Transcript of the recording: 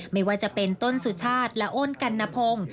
ไม่ว่าจะเป็นต้นสุชาติและโอนกัณพงศ์